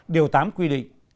điều tám quy định